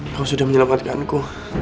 kau sudah menyelamatkanku